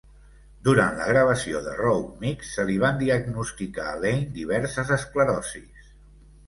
Durant la gravació de "Rough Mix", se li van diagnosticar a Lane diverses esclerosis.